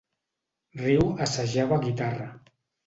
Ryu assajava guitarra.